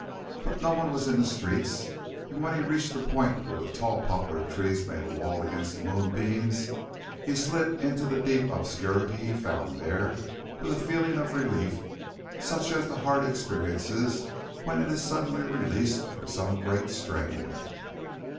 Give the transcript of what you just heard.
But no one was in the streets, and when he reached the point where the tall poplar trees made a wall against the moonbeams, he slid into the deep obscurity he found there with a feeling of relief such as the heart experiences when it is suddenly released from some great strain.